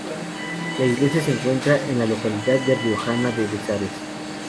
La iglesia se encuentra en la localidad riojana de Bezares.